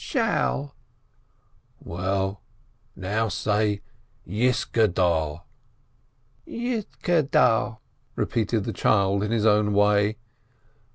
"Shall 1" "Well, now, say : Yisgaddal." "Yisdaddal," repeated the child in his own way.